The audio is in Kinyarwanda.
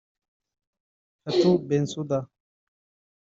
Fatou Bensouda